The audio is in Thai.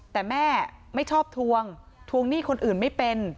แต่แม่ไม่ชอบทวงทวงหนี้คนอื่นไม่เป็น